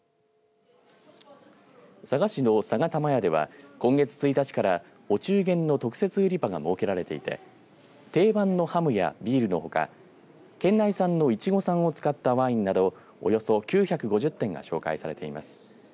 佐賀市の佐賀玉屋では今月１日からお中元の特設売り場が設けられていて定番のハムやビールのほか県内産のいちごさんを使ったワインなどおよそ９５０点が紹介されています。